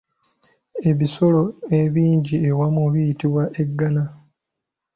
Ebisolo ebingi awamu biyitibwa eggana.